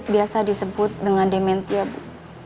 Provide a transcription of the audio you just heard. biasa disebut dengan dementia bu